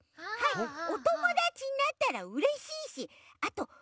おともだちになったらうれしいしあとおいしいですしね。